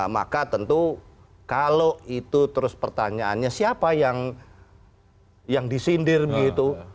maka tentu kalau itu terus pertanyaannya siapa yang disindir begitu